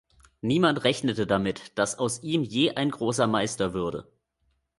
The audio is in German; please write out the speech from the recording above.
Niemand rechnete damit, dass aus ihm je ein großer Meister würde.